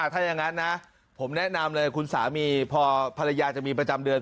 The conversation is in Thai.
ถ้าอย่างนั้นนะผมแนะนำเลยคุณสามีพอภรรยาจะมีประจำเดือน